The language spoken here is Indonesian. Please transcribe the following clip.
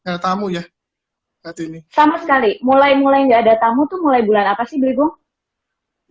sama sekali mulai mulai nggak ada tamu itu mulai bulan apa sih bli bung